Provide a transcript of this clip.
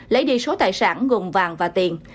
lấy đi số tài sản gồm vàng và tiền